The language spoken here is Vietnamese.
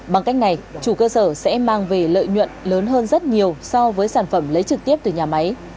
bằng cách này chủ cơ sở sẽ mang về lợi nhuận lớn hơn rất nhiều so với sản phẩm lấy trực tiếp từ nhà máy